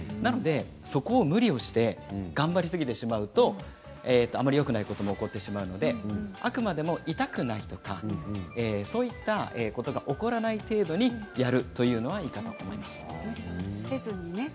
そこで無理をして頑張りすぎてしまうとあまりよくないことが起こってしまうのであくまでも痛くないとかそういったことが起こらない程度にやるというのはいいと思います。